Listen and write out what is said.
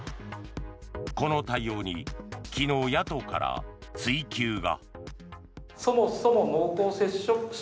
この対応に昨日、野党から追及が。